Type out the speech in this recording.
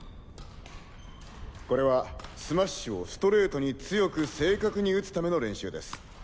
これはスマッシュをストレートに強く正確に打つための練習です。